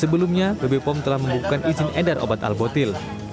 sebelumnya pp pom telah membuka izin edar obat al botil